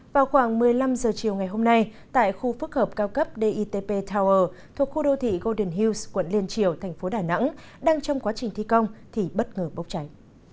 vào khoảng một mươi năm h chiều ngày hôm nay tại khu phức hợp cao cấp dtp tower thuộc khu đô thị golden hills quận liên triều thành phố đà nẵng đang trong quá trình thi công thì bất ngờ bốc cháy